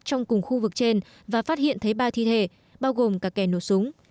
trong cùng khu vực trên và phát hiện thấy ba thi thể bao gồm cả kẻ nổ súng